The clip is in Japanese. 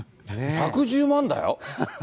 １１０万だよ。